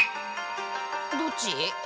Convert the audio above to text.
どっち？